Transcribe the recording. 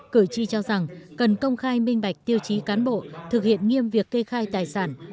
cử tri cho rằng cần công khai minh bạch tiêu chí cán bộ thực hiện nghiêm việc kê khai tài sản